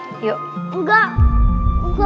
saya harus pergi ke rumah saya